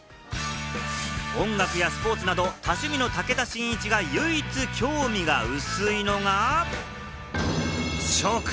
音楽やスポーツなど、多趣味な武田真一が唯一興味が薄いのが、食。